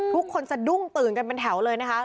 สะดุ้งตื่นกันเป็นแถวเลยนะคะ